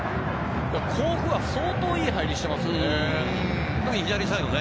甲府は相当いい入りをしていますね。